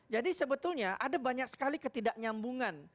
jadi sebetulnya ada banyak sekali ketidaknyambungan